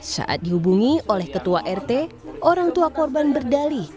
saat dihubungi oleh ketua rt orang tua korban berdali